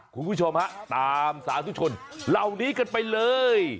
คุณผู้ชมฮะตามสาธุชนเหล่านี้กันไปเลย